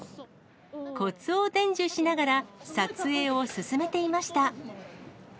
こつを伝授しながら、撮影を進めていました。